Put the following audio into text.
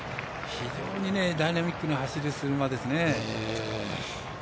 非常にダイナミックな走りをする馬ですね。